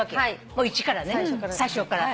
もう一からね最初から。